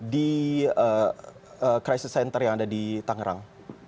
di crisis center yang ada di tangerang